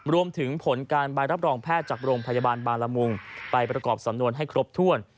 รวมถึงผลการใบรับรองแพทย์จากโรงพยาบาลบางละมุงไปประกอบสำนวนให้ครบถ้วน